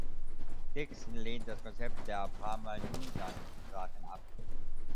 Dixon lehnt das Konzept der Pama-Nyungan-Sprachen ab.